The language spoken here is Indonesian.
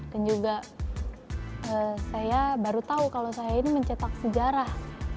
dan juga saya baru tahu kalau saya ini mencetak sejarah